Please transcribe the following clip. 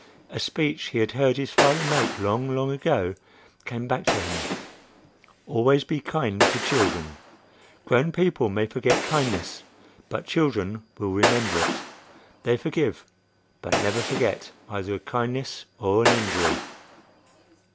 A speech he had heard his father make long, long ago, came back to him: "Always be kind to children. Grown people may forget kindness, but children will remember it. They forgive, but never forget either a kindness or an injury."